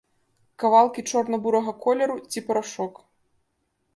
Кавалкі чорна-бурага колеру ці парашок.